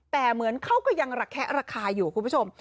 แต่เหมือนเขาก็ยังระแคะระคายอยู่คุณผู้ชม